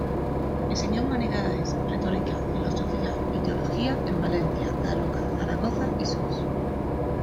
Enseñó humanidades, retórica, filosofía y teología en Valencia, Daroca, Zaragoza y Sos.